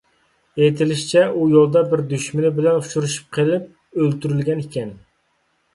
ئېيتىلىشىچە، ئۇ يولدا بىر دۈشمىنى بىلەن ئۇچرىشىپ قېلىپ ئۆلتۈرۈلگەن ئىكەن.